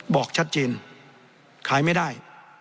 บอกชัดเจนขายไม่ได้